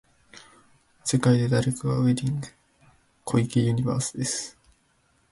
世界で誰かがウェイティング、小池ユニバースです。